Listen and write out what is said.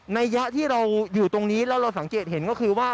ยะที่เราอยู่ตรงนี้แล้วเราสังเกตเห็นก็คือว่า